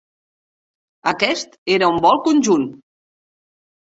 Aquest era un vol conjunt.